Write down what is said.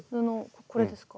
これですか？